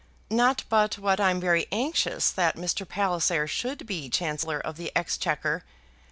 Not but what I'm very anxious that Mr. Palliser should be Chancellor of the Exchequer.